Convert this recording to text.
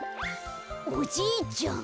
おじいちゃん。